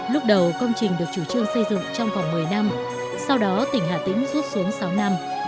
lúc đầu công trình được chủ trương xây dựng trong vòng một mươi năm sau đó tỉnh hà tĩnh rút xuống sáu năm